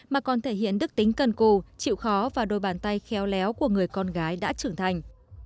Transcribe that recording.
mà còn thể hiện đức tính cần cù chịu khó và đôi bàn tay khéo léo của người con gái đã trưởng thành